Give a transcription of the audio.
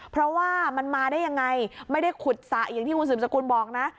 เพราะว่ามันมาได้ยังไงไม่ได้ขุดสระอย่างที่คุณสืบสกุลบอกนะ